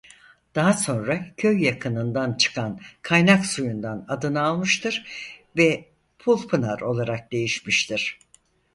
Daha sonra Köy yakınından çıkan kaynak suyundan adını almıştır ve pulpınar olarak değişmiştir.